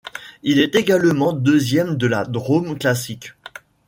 Il est également deuxième de la Drôme Classic.